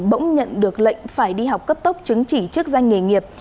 bỗng nhận được lệnh phải đi học cấp tốc chứng chỉ chức danh nghề nghiệp